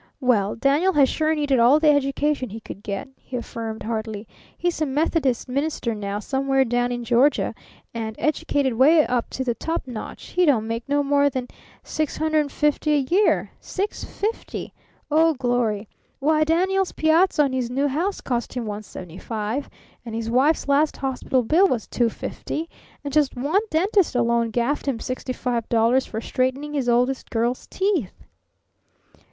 "Well, Daniel has sure needed all the education he could get," he affirmed heartily. "He's a Methodist minister now somewhere down in Georgia and, educated 'way up to the top notch, he don't make no more than $650 a year. $650! oh, glory! Why, Daniel's piazza on his new house cost him $175, and his wife's last hospital bill was $250, and just one dentist alone gaffed him sixty five dollars for straightening his oldest girl's teeth!"